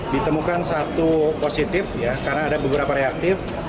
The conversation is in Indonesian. ditemukan satu positif ya karena ada beberapa reaktif